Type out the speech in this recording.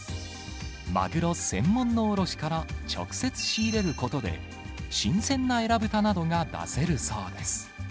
マグロ専門の卸から直接仕入れることで、新鮮なエラブタなどが出せるそうです。